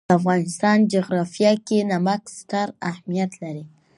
د افغانستان جغرافیه کې نمک ستر اهمیت لري.